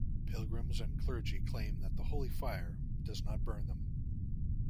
Pilgrims and clergy claim that the Holy Fire does not burn them.